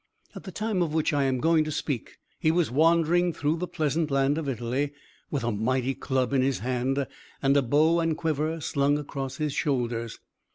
At the time of which I am going to speak, he was wandering through the pleasant land of Italy, with a mighty club in his hand, and a bow and quiver slung across his shoulders.